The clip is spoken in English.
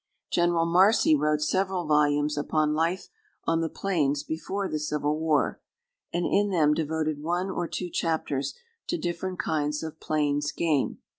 General Marcy wrote several volumes upon life on the plains before the civil war, and in them devoted one or two chapters to different kinds of plains game.